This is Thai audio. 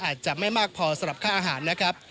อาจจะไม่มากพอสำหรับค่าอาหารนะครับ